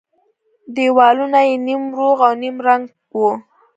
دېوالونه يې نيم روغ او نيم ړنگ وو.